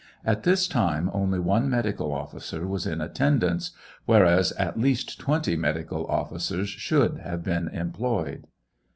At this time only one medical officer was in attendance, whereas at least twenty medical officers should have been employed.